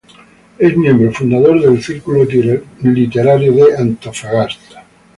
Es miembro fundador del Círculo literario de Antofagasta.